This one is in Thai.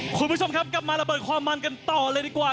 คุณผู้ชมครับกลับมาระเบิดความมันกันต่อเลยดีกว่า